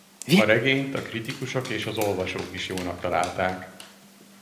A regényt a kritikusok és az olvasók is jónak találták.